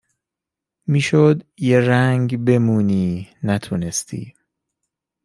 میشد یه رنگ بمونی نتونستی